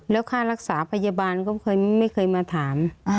แล้วค่ารักษาพยาบาลก็ไม่เคยมาถาม